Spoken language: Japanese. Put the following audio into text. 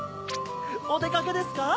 おでかけですか？